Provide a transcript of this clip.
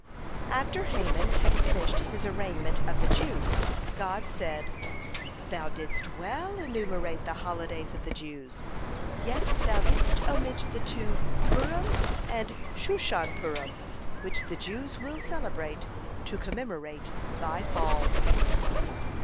(112) After Haman had finished his arraignment of the Jews, God said: "Thou didst well enumerate the holidays of the Jews, yet thou didst omit the two Purim and Shushan Purim which the Jews will celebrate to commemorate thy fall."